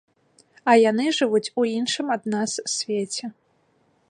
А яны жывуць у іншым ад нас свеце.